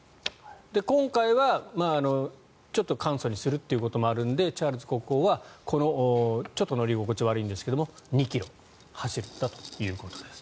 今回はちょっと簡素にするということもあるのでチャールズ国王はちょっと乗り心地が悪いんですが２ｋｍ走ったということです。